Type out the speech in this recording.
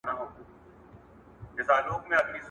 ماشومانو ته د اوبو د سپمولو اهمیت ووایئ.